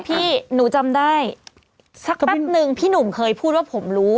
พี่หนูจำได้สักแป๊บนึงพี่หนุ่มเคยพูดว่าผมรู้